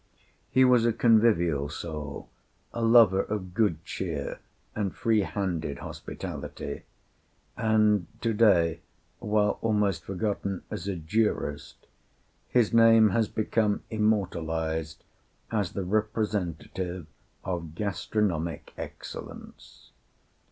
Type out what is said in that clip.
He was a convivial soul, a lover of good cheer and free handed hospitality; and to day, while almost forgotten as a jurist, his name has become immortalized as the representative of gastronomic excellence.